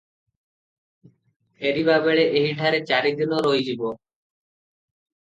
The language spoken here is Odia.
ଫେରିବାବେଳେ ଏହିଠାରେ ଚାରିଦିନ ରହିଯିବ ।